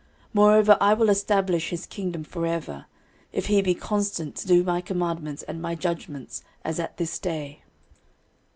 13:028:007 Moreover I will establish his kingdom for ever, if he be constant to do my commandments and my judgments, as at this day.